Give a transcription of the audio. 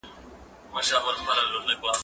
زه مخکي پلان جوړ کړی وو،